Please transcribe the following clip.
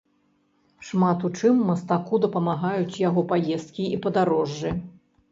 Шмат у чым мастаку дапамагаюць яго паездкі і падарожжы.